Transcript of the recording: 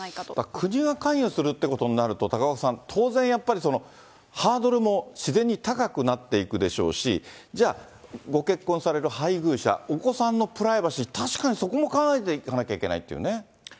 国が関与するってことになると、高岡さん、当然やっぱりその、ハードルも自然に高くなっていくでしょうし、じゃあ、ご結婚される配偶者、お子さんのプライバシー、確かに、そこも考えていかなきゃいけないっていうね。